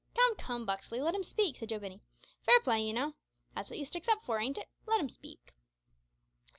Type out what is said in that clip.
"Come, come, Buxley let him speak," said Joe Binney, "fair play, ye know. That's what you sticks up for, ain't it? Let 'im speak."